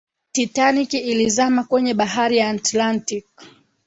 titanic ilizama kwenye bahari ya atlantic